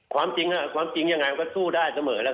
ความจริงนะความจริงอย่างไรเขาก็สู้สมมติได้เสมอครับ